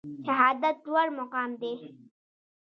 شهادت لوړ مقام دی